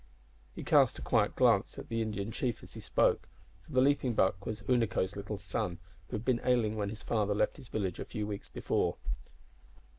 He cast a quiet glance at the Indian chief as he spoke, for the Leaping Buck was Unaco's little son, who had been ailing when his father left his village a few weeks before.